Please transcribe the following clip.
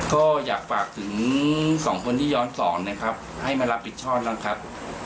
ก็อยากฝากถึงสองคนที่ย้อนสอนนะครับให้มารับผิดชอบบ้างครับ